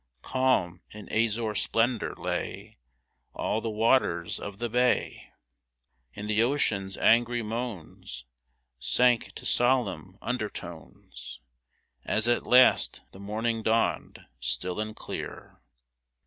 Calm, in azure splendor, lay All the waters of the bay ; And the ocean's angry moans Sank to solemn undertones, As at last the morning dawned^ Still and clear